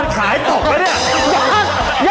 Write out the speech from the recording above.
ยอดขายตกปะเนี่ย